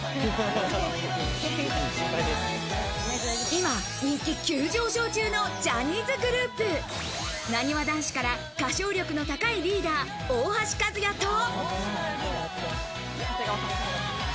今、人気急上昇中のジャニーズグループなにわ男子から歌唱力の高いリーダー・大橋和也と。